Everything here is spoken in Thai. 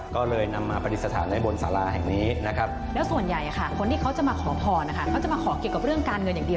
ก็เลยนำมาปฏิสถานในโบนสาราแห่งนี้